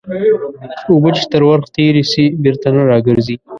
اوبه چې تر ورخ تېري سي بېرته نه راګرځي.